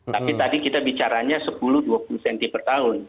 tapi tadi kita bicaranya sepuluh dua puluh cm per tahun